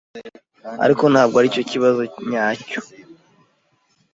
Ariko ntabwo aricyo kibazo nyacyo.